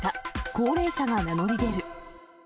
高齢者が名乗り出る。